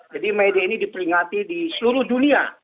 jadi may day ini diperingati di seluruh dunia